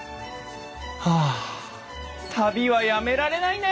はあ旅はやめられないね！